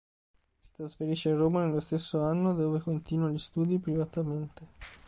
Si trasferisce a Roma nello stesso anno dove continua gli studi privatamente.